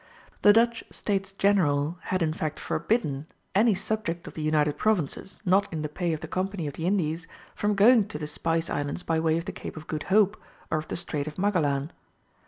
The Dutch States General had in fact forbidden any subject of the United Provinces, not in the pay of the Company of the Indies, from going to the Spice Islands by way of the Cape of Good Hope or of the Strait of Magellan.